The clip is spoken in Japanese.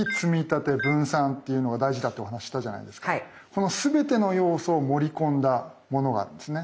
このすべての要素を盛り込んだものがあるんですね。